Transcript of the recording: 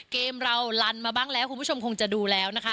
เกมเราลันมาบ้างแล้วคุณผู้ชมคงจะดูแล้วนะคะ